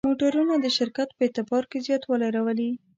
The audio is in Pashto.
موټرونه د شرکت په اعتبار کې زیاتوالی راولي.